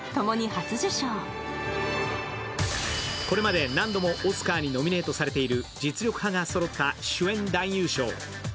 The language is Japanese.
これまで何度もオスカーにノミネートされている実力派がそろった主演男優賞。